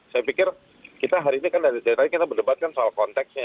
saya pikir kita hari ini kan dari tadi kita berdebatkan soal konteksnya